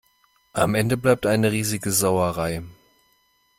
Am Ende bleibt eine riesige Sauerei.